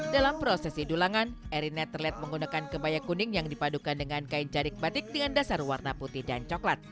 dalam prosesi dulangan erina terlihat menggunakan kebaya kuning yang dipadukan dengan kain cadik batik dengan dasar warna putih dan coklat